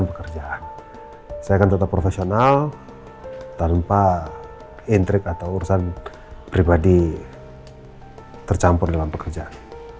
bekerja saya akan tetap profesional tanpa intripsi urusan pribadi tercampur dalam pekerjaan